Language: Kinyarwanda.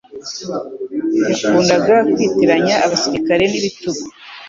Yakundaga kwitiranya abasirikari n'ibitugu